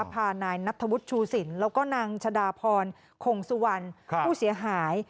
พานายนัทธวุฒิชูสินแล้วก็นางชะดาพรคงสุวรรณผู้เสียหาย